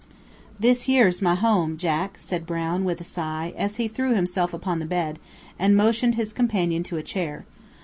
"This yer's my home, Jack," said Brown, with a sigh, as he threw himself upon the bed, and motioned his companion to a chair.